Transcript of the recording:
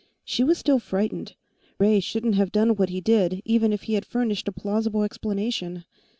She was still frightened. Ray shouldn't have done what he did, even if he had furnished a plausible explanation.